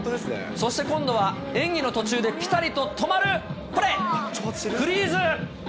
そして今度は演技の途中でぴたりと止まる、これ、フリーズ。